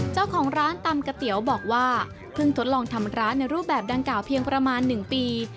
เจ้าของร้านตำก๋วยเตี๋ยวบอกว่าเพิ่งทดลองทำร้านในรูปแบบดังกล่าวเพียงประมาณ๑ปี